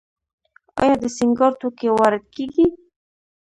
آیا د سینګار توکي وارد کیږي؟